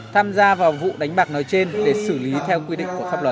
tham gia vào vụ đánh bạc nói trên để xử lý theo quy định của pháp luật